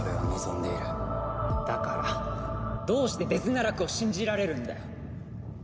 だからどうしてデズナラクを信じられるんだよ。